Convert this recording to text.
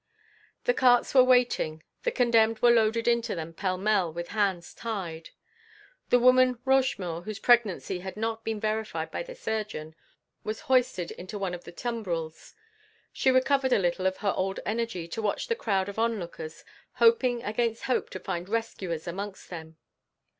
The carts were waiting. The condemned were loaded into them pell mell, with hands tied. The woman Rochemaure, whose pregnancy had not been verified by the surgeon, was hoisted into one of the tumbrils. She recovered a little of her old energy to watch the crowd of onlookers, hoping against hope to find rescuers amongst them.